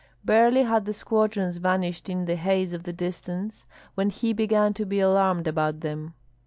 Barely had the squadrons vanished in the haze of the distance, when he began to be alarmed about them.